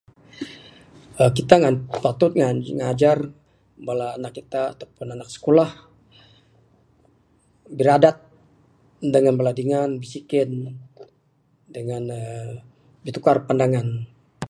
uhh Kita ngan patut ngan ngajar bala anak kita ataupun anak sikulah...biradat dangan bala dingan...bisiken...dangan uhh bitukar pandangan.